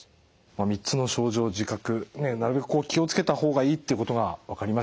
３つの症状を自覚なるべく気を付けた方がいいっていうことが分かりました。